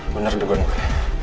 bener degorang ya